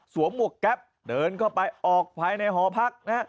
สวมหมวกแก๊บเดินเข้าไปออกภายในห่อพัง